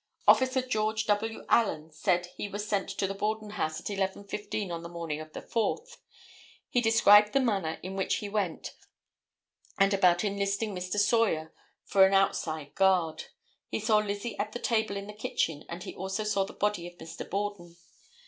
Officer George W. Allen said he was sent to the Borden house at 11:15 on the morning of the 4th. He described the manner in which he went and about enlisting Mr. Sawyer for an outside guard. He saw Lizzie at the table in the kitchen and he also saw the body of Mr. Borden.